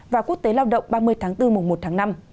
và quốc tế lao động ba mươi tháng bốn mùa một tháng năm